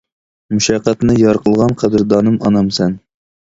مۇشەققەتنى يار قىلغان قەدىردانىم ئانام سەن.